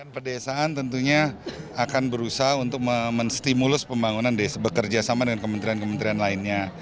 perdesaan tentunya akan berusaha untuk menstimulus pembangunan desa bekerjasama dengan kementerian kementerian lainnya